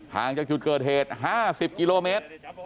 ห่างจากจุดเกิดเหตุ๕๐กิโลเมตร